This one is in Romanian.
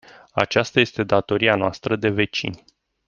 Aceasta este datoria noastră de vecini.